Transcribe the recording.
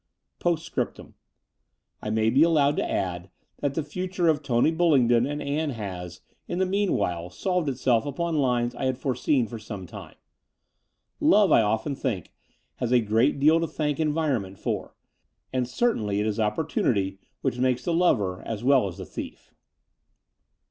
••••••• Postscriptum. I may be allowed to add that the future of Tony Bullingdon and Ann has, in the meanwhile, solved itself upon lines I had foreseen for some time. Love, I often think, has a great deal to thank environment for : and certainly it is opportimity which makes the lover as well as the thief.